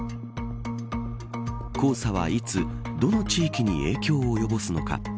黄砂はいつ、どの地域に影響を及ぼすのか。